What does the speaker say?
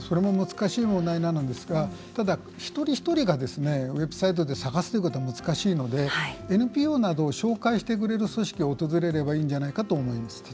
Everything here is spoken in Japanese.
難しい問題ですが一人一人がウェブサイトで探すということは難しいのでＮＰＯなどを紹介してくれる組織を訪れればいいと思います。